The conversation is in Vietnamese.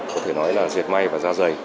có thể nói là diệt may và ra giày